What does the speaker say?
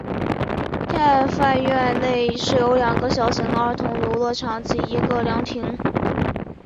天爱苑内设有两个小型的儿童游乐场及一个凉亭。